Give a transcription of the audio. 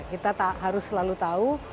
kita harus selalu tahu